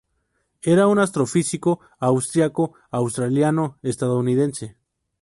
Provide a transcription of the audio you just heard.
Era un astrofísico austríaco-australiano-estadounidense.